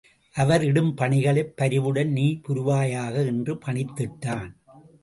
அவர் இடும் பணிகளைப் பரிவுடன் நீ புரிவாயாக என்று பணித்திட்டான்.